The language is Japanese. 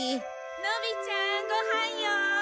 のびちゃんご飯よ！